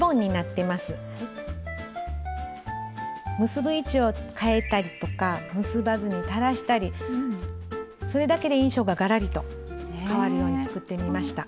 結ぶ位置をかえたりとか結ばずに垂らしたりそれだけで印象がガラリとかわるように作ってみました。